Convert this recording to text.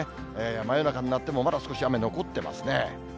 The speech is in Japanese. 真夜中になっても、まだ少し雨残ってますね。